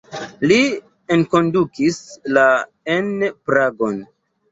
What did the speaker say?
Li enkondukis la en Pragon.